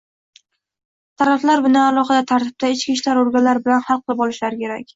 taraflar buni alohida tartibda, ichki ishlar organlari bilan hal qilib olishlari kerak.